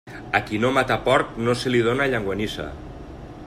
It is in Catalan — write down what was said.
A qui no mata porc no se li dóna llonganissa.